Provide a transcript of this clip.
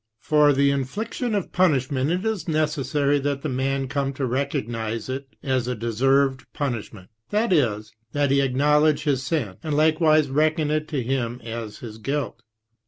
For the infliction of punishment it is necessary that the man come to recognise it as a deserved punishment, that is, that he acknowledge his sin, and likewise reckon it to him as his guilt.